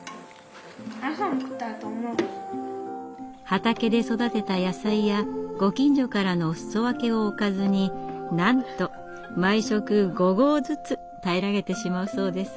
畑で育てた野菜やご近所からのお裾分けをおかずになんと毎食５合ずつ平らげてしまうそうです。